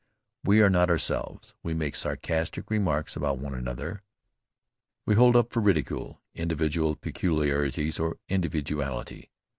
We are not ourselves. We make sarcastic remarks about one another. We hold up for ridicule individual peculiarities of individuality.